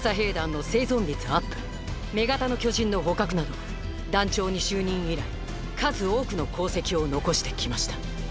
女型の巨人の捕獲など団長に就任以来数多くの功績を残してきました。